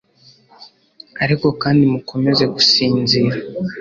Ariko kandi mukomeza gusinzira